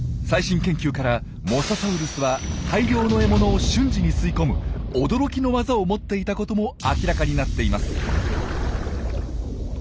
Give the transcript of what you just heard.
最新研究からモササウルスは大量の獲物を瞬時に吸い込む驚きのワザを持っていたことも明らかになっています。